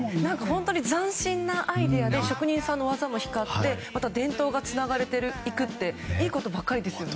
本当に斬新なアイデアで職人さんの技も光って伝統がつながれていくっていいことばかりですよね。